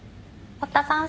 堀田さん